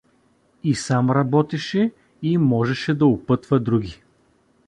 И сам работеше, и можеше да упътва други.